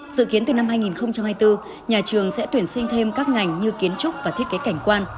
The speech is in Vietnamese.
dự kiến từ năm hai nghìn hai mươi bốn nhà trường sẽ tuyển sinh thêm các ngành như kiến trúc và thiết kế cảnh quan